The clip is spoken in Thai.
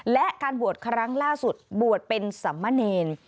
และการบวชครั้งล่าสุดบวชเป็นสัมมะเนร